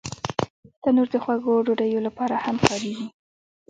تنور د خوږو ډوډیو لپاره هم کارېږي